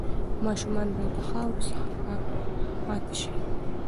ماشومان باید د خاورو څخه پاک پاتې شي.